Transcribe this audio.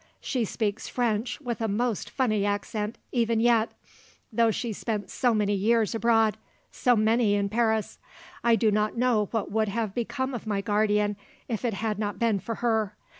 She speaks French with a most funny accent even yet, though she spent so many years abroad, so many in Paris. I do not know what would have become of my guardian if it had not been for her.